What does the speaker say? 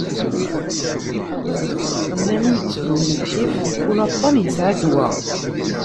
Nnan ur yettdum lḥif, mkul aṭṭan yesεa ddwa.